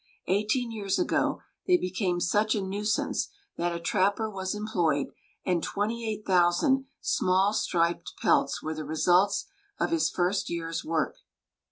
Eighteen years ago they became such a nuisance that a trapper was employed, and 28,000 small striped pelts were the results of his first year's work.